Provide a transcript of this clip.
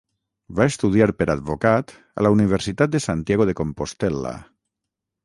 Va estudiar per advocat a la Universitat de Santiago de Compostel·la.